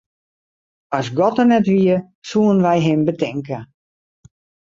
As God der net wie, soenen wy him betinke.